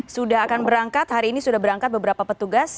sudah akan berangkat hari ini sudah berangkat beberapa petugas